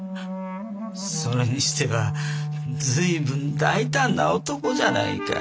それにしては随分大胆な男じゃないか。